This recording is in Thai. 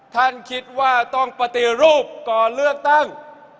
ท่านคิดว่าต้องปฏิรูปก่อนเลือกตั้ง